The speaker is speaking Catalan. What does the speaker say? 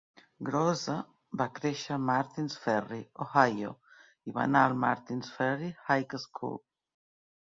Groza va créixer a Martins Ferry, Ohio i va anar al Martins Ferry High School.